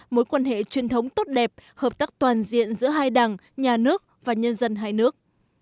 mối quan hệ truyền thống tốt đẹp hợp tác toàn diện giữa hai đảng nhà nước và nhân dân hai nước